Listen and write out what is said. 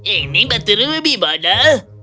ini batu rubi bodoh